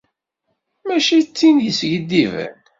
Mačči d tin yeskiddiben.